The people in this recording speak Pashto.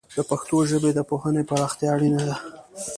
د پښتو ژبې د پوهنې پراختیا اړینه ده.